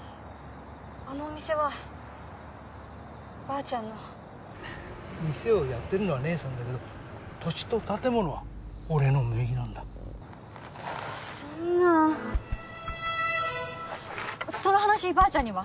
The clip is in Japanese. あのお店はばあちゃんの店をやってるのは姉さんだけど土地と建物は俺の名義なんだそんなその話ばあちゃんには？